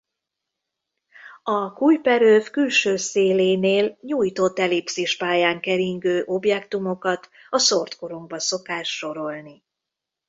A Kuiper-öv külső szélénél nyújtott ellipszis pályán keringő objektumokat a szórt korongba szokás sorolni.